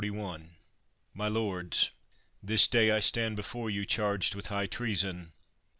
My Lords: — This day I stand before you charged with high treason.